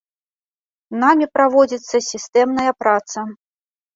Намі праводзіцца сістэмная праца.